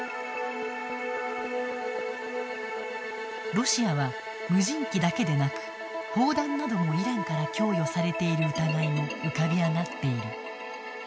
ロシアは無人機だけでなく、砲弾などもイランから供与されている疑いも浮かび上がっている。